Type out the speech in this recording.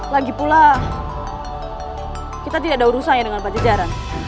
lagi pula kita tidak ada urusannya dengan pajajaran